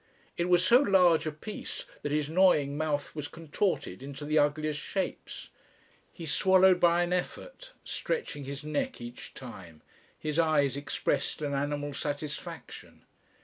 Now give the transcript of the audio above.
It was so large a piece that his gnawing mouth was contorted into the ugliest shapes. He swallowed by an effort, stretching his neck each time. His eyes expressed an animal satisfaction.